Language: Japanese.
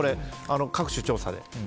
各種調査で。